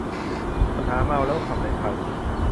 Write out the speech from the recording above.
ปัญหาเมาแล้วขับในไทย